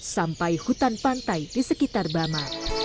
sampai hutan pantai di sekitar bama